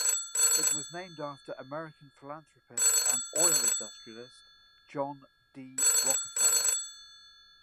It was named after American philanthropist and oil industrialist John D. Rockefeller.